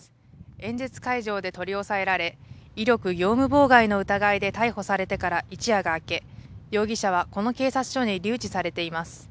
演説会場で取り押さえられ、威力業務妨害の疑いで逮捕されてから一夜が明け、容疑者はこの警察署に留置されています。